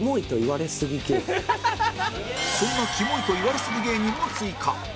そんなキモイと言われすぎ芸人も追加